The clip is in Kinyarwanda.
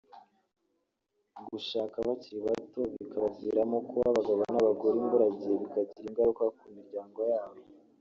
gushaka bakiri bato bikabaviramo kuba abagabo n’abagore imburagihe bikagira ingaruka ku miryango yabo